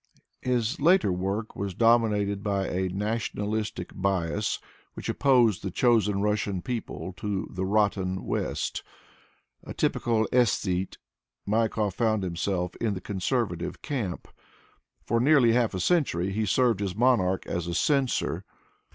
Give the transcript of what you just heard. His later work was dominated by a nationalistic bias which opposed the chosen Russian people to "the rotten West" A typical aesthete, Maikov found himself in the conservative camp. For nearly half a century he served his monarch as a censor.